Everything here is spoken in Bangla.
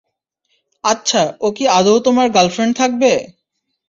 আচ্ছা, ও কি আদৌ আমার গার্লফ্রেন্ড থাকবে?